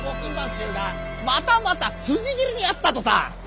またまた辻斬りに遭ったとさ！